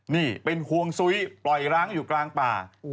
นี่เป็นห่วงซุ้ยปล่อยร้างอยู่กลางป่า